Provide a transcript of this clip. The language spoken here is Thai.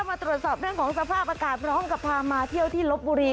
มาตรวจสอบเรื่องของสภาพอากาศพร้อมกับพามาเที่ยวที่ลบบุรี